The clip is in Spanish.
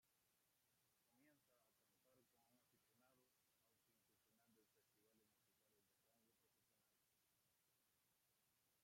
Comienza a cantar como aficionado aunque incursionando en festivales musicales de rango profesional.